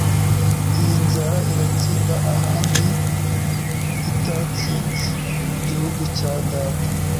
iyi nzara irantsinda ahandi itantsinze mu gihugu cya data